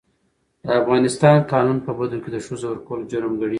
د افغانستان قانون په بدو کي د ښځو ورکول جرم ګڼي.